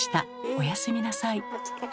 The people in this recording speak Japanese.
おやすみなさい。